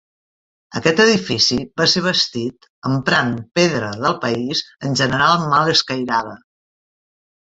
Aquest edifici va ser bastit emprant pedra del país, en general, mal escairada.